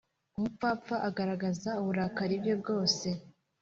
umupfapfa agaragaza uburakari bwe bwose